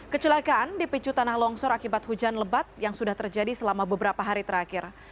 kecelakaan dipicu tanah longsor akibat hujan lebat yang sudah terjadi selama beberapa hari terakhir